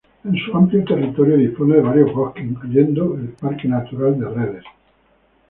En su amplio territorio dispone de varios bosques, incluyendo el Parque Natural de Redes.